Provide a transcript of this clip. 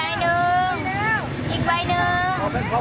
อีกใบหนึ่ง